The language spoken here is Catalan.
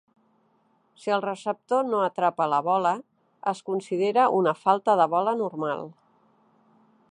Si el receptor no atrapa la bola, es considera una falta de bola normal.